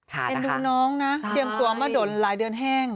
เอ็นดูน้องนะเตรียมตัวมาด่นหลายเดือนแห้ง